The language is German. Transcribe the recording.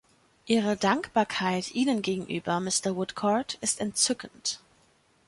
Ihre Dankbarkeit Ihnen gegenüber, Mr. Woodcourt, ist entzückend.